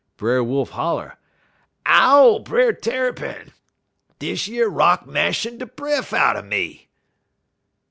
Brer Wolf holler: "'Ow, Brer Tarrypin! Dish yer rock mashin' de breff out'n me.'